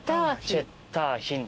チェッターヒン。